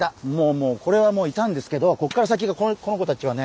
もうこれはいたんですけどこっから先がこの子たちはね